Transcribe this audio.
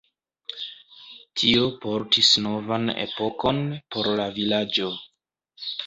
Tio portis novan epokon por la vilaĝo.